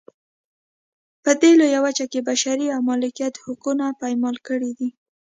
په دې لویه وچه کې یې بشري او مالکیت حقونه پایمال کړي دي.